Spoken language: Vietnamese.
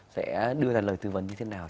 sẽ đưa ra lời tư vấn như thế nào